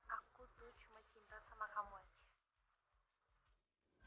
aku tuh cuma cinta sama kamu aja